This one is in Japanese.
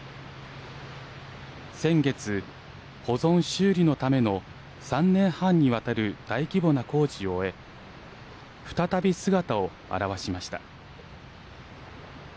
先月、保存・修理のための３年半にわたる大規模な工事を終え再び姿を現しました。